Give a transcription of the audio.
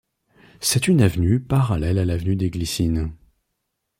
C'est une avenue parallèle à l'avenue des Glycines.